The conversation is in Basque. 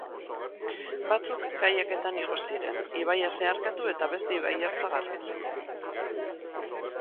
Batzuk kayaketan igo ziren, ibaia zeharkatu eta beste ibai ertza garbitzeko.